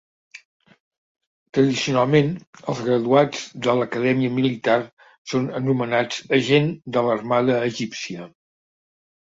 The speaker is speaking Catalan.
Tradicionalment, els graduats de l"Acadèmia Militar són anomenats agent de l"armada egípcia.